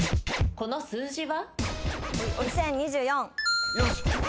この数字は？